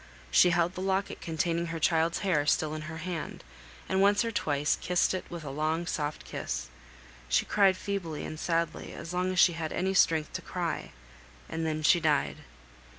She held the locket containing her child's hair still in her hand, and once or twice she kissed it with a long soft kiss. She cried feebly and sadly as long as she had any strength to cry, and then she died.